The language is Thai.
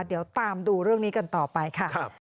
เดี๋ยวตามดูเรื่องนี้กันต่อไปค่ะ